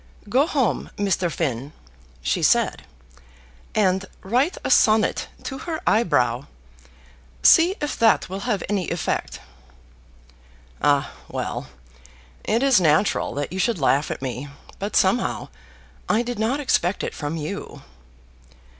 "Go home, Mr. Finn," she said, "and write a sonnet to her eyebrow. See if that will have any effect." "Ah, well! It is natural that you should laugh at me; but somehow, I did not expect it from you."